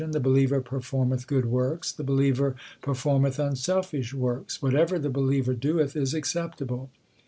The believer performeth good works ; the believer per formeth unselfish works ; whatever the believer doeth is acceptable.